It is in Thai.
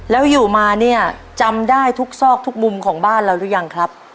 แล้วอยู่มาเนี่ยจำได้ทุกซอกทุกมุมของบ้านเราหรือยังครับ